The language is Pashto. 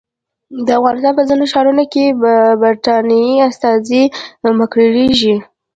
د افغانستان په ځینو ښارونو کې به د برټانیې استازي مقرریږي.